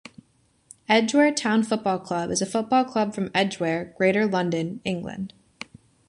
Edgware Town Football Club is a football club from Edgware, Greater London, England.